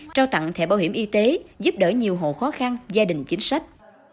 trao tặng thẻ bảo hiểm y tế giúp đỡ nhiều hộ khó khăn gia đình chính sách